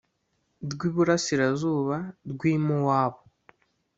rw iburasirazuba rw i Mowabu